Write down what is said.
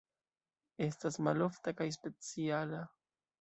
Estas malofta kaj speciala.